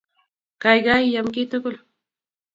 Kaikai iam ki tukul